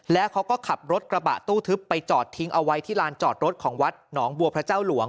แล้วเขาก็ขับรถกระบะตู้ทึบไปจอดทิ้งเอาไว้ที่ลานจอดรถของวัดหนองบัวพระเจ้าหลวง